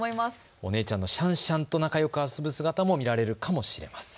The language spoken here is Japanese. お姉ちゃんのシャンシャンと仲よく遊ぶ姿も見られるかもしれません。